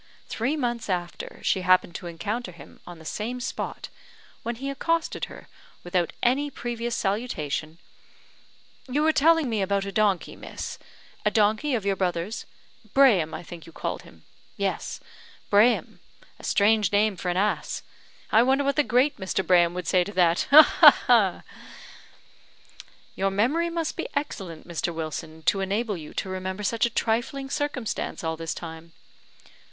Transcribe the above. Three months after, she happened to encounter him on the same spot, when he accosted her, without any previous salutation, "You were telling me about a donkey, Miss , a donkey of your brother's Braham, I think you called him yes, Braham; a strange name for an ass! I wonder what the great Mr. Braham would say to that. Ha, ha, ha!" "Your memory must be excellent, Mr. Wilson, to enable you to remember such a trifling circumstance all this time."